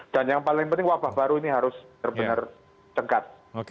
dan yang paling penting wabah baru ini harus terbenar tegak